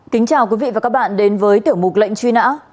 kính chào quý vị và các bạn đến với tiểu mục lệnh truy nã